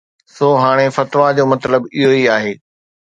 سو هاڻي فتويٰ جو مطلب اهو ئي آهي